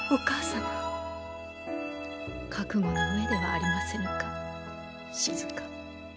覚悟の上ではありませぬか静。